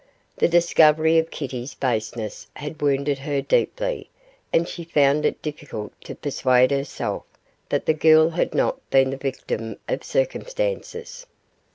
The discovery of Kitty's baseness had wounded her deeply, and she found it difficult to persuade herself that the girl had not been the victim of circumstances.